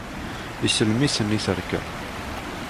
Isellem-iten i tterka.